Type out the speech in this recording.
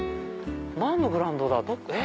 何のグラウンドだ？